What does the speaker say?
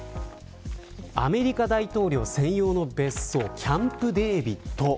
アメリカ大統領専用の別荘キャンプデービッド。